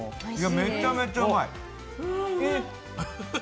めちゃめちゃうまい。